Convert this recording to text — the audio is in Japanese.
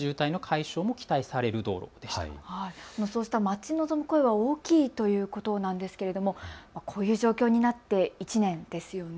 そうした待ち望む声が大きいということですが、こういう状況になって１年ですよね。